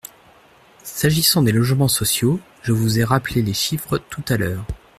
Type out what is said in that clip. S’agissant des logements sociaux, je vous ai rappelé les chiffres tout à l’heure.